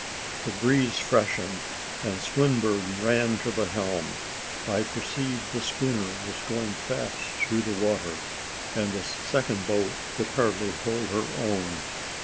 The breeze freshened, and Swinburne ran to the helm. I perceived the schooner was going fast through the water, and the second boat could hardly hold her own.